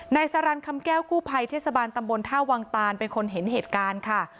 สารันคำแก้วกู้ภัยเทศบาลตำบลท่าวังตานเป็นคนเห็นเหตุการณ์ค่ะ